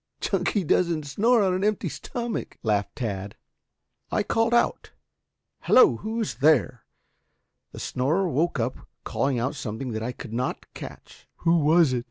"Chunky doesn't snore on an empty stomach," laughed Tad. "I called out, 'Hello, who's there?' The snorer woke up calling out something that I could not catch." "Who was it?"